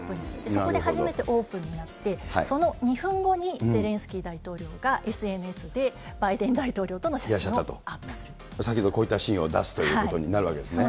そこで初めてオープンになって、その２分後にゼレンスキー大統領がＳＮＳでバイデン大統領との写先ほど、こういったシーンをそうなんです。